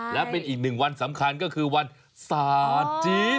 และเป็นอีกหนึ่งวันสำคัญก็คือวันศาสตร์จีน